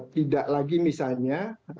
tidak lagi misalnya